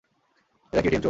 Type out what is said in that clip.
এরা কি এটিএম চোর?